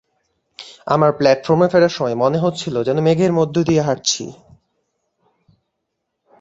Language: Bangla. আমার প্ল্যাটফর্মে ফেরার সময় মনে হচ্ছিল যেন মেঘের মধ্যে দিয়ে হাঁটছি।